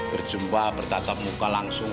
berjumpa bertakam muka langsung